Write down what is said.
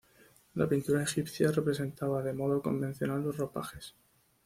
La pintura egipcia representaba de modo convencional los ropajes.